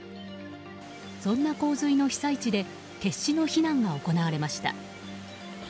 そんな洪水の被災地で決死の避難が行われました。